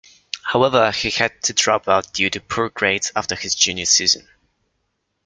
However, he had to drop out due to poor grades after his junior season.